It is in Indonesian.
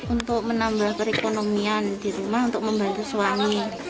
untuk menambah perekonomian di rumah untuk membantu suami